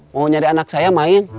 mau nyari anak saya main